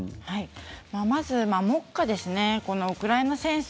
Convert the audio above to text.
まず、目下ウクライナ戦争